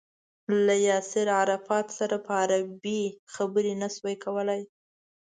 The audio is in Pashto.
له ياسر عرفات سره په عربي خبرې نه شوای کولای.